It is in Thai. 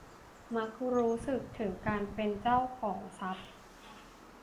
มักรู้สึกถึงการเป็นเจ้าของทรัพย์